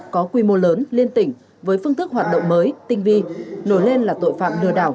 có quy mô lớn liên tỉnh với phương thức hoạt động mới tinh vi nổi lên là tội phạm lừa đảo